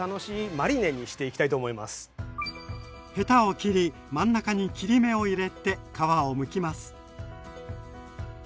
ヘタを切り真ん中に切り目を入れて皮をむきます。